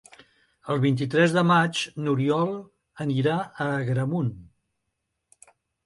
El vint-i-tres de maig n'Oriol anirà a Agramunt.